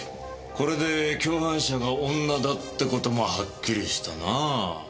これで共犯者が女だって事もハッキリしたなぁ。